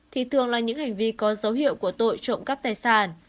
thì thường là những hành vi có dấu hiệu của tội trộm cắp tài sản